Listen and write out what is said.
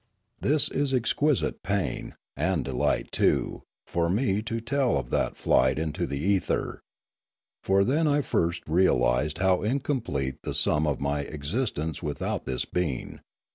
It is exquisite pain (and delight too) for me to tell of that flight into the ether; for then I first realised how incomplete was the sum of my existence without this being.